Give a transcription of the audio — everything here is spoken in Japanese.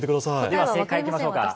では正解いきましょうか。